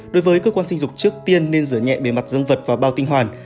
đối với cơ quan sinh dục trước tiên nên rửa nhẹ bề mặt dân vật và bao tinh hoàn